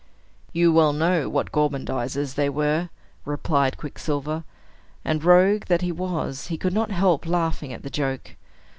"You well know what gormandizers they were," replied Quicksilver; and rogue that he was, he could not help laughing at the joke.